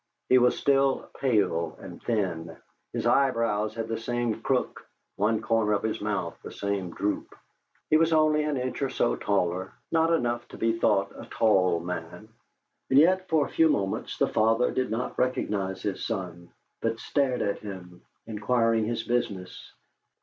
He was still pale and thin; his eyebrows had the same crook, one corner of his mouth the same droop; he was only an inch or so taller, not enough to be thought a tall man; and yet, for a few moments the father did not recognize his son, but stared at him, inquiring his business.